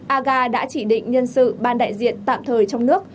aga đã chỉ định nhân sự ban đại diện tạm thời trong nước